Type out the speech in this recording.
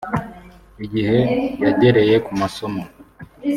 igihe yagereye ku masomo